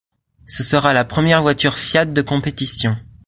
Ce sera la première voiture Fiat de compétition.